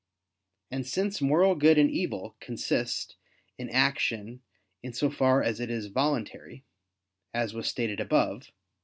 And since moral good and evil consist in action in so far as it is voluntary, as was stated above (A.